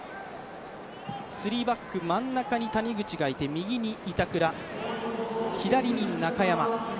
スリーバック、真ん中に谷口がいて、右が板倉、左に中山。